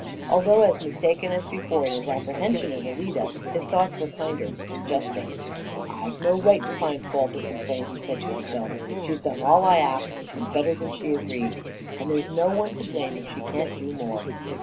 Although as mistaken as before in his apprehension of Alida, his thoughts were kinder and juster. "I've no right to find fault or complain," he said to himself. "She's done all I asked and better than she agreed, and there's no one to blame if she can't do more.